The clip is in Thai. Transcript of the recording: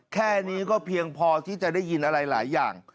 แค่นี้ก็เพียงพอที่จะได้ยินอะไรหลายอย่าง